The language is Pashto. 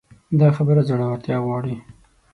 دا خبره زړورتيا غواړي.